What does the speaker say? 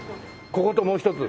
ここともう一つ？